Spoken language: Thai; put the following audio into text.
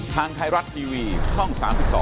ทางไทยรัฐทีวีช่อง๓๒